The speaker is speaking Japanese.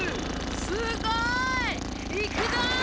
すごい！いくぞ！